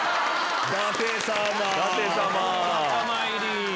仲間入り！